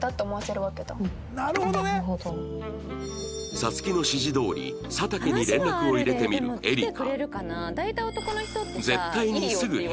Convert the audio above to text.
皐月の指示どおり佐竹に連絡を入れてみるエリカ